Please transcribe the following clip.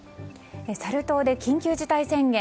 サル痘で緊急事態宣言。